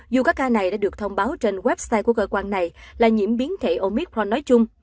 dù các ca này đã được thông báo trên website của cơ quan này là nhiễm biến thể omit von nói chung